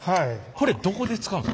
これどこで使うんですか？